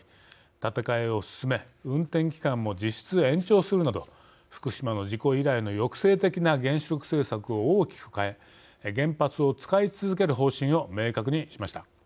建て替えを進め運転期間も実質延長するなど福島の事故以来の抑制的な原子力政策を大きく変え原発を使い続ける方針を明確にしました。